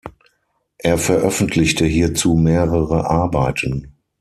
Er veröffentlichte hierzu mehrere Arbeiten.